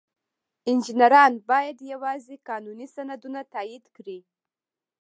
انجینران باید یوازې قانوني سندونه تایید کړي.